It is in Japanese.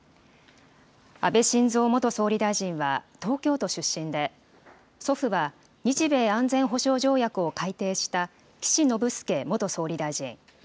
安倍晋三元総理大臣は、東京都出身で、祖父は日米安全保障条約を改定した岸信介元総理大臣。